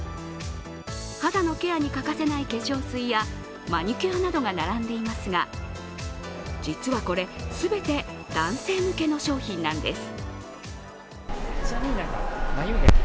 肌のケアに欠かせない化粧水やマニキュアなどが並んでいますが、実はこれ、全て男性向けの商品なんです。